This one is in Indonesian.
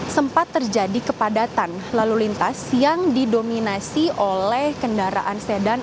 sempat terjadi kepadatan lalu lintas yang didominasi oleh kendaraan sedan